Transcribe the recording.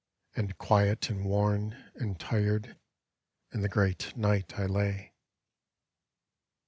And quiet and worn and tired in the great night I lay.